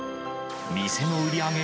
店の売り上げ